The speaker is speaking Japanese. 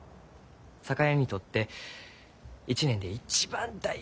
酒屋にとって一年で一番大事にしゆう倒し。